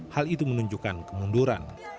hal itu menunjukkan kemunduran